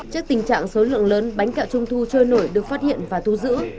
trước tình trạng số lượng lớn bánh kẹo trung thu trôi nổi được phát hiện và thu giữ